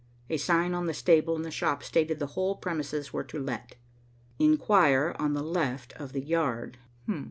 A sign on the stable and the shop stated the whole premises were to let. "Inquire on the left of the yard."